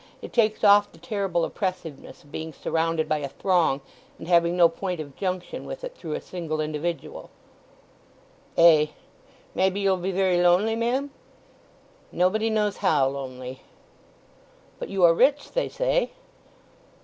It takes off the terrible oppressiveness of being surrounded by a throng, and having no point of junction with it through a single individual." "Ay! Maybe you'll be very lonely, ma'am?" "Nobody knows how lonely." "But you are rich, they say?"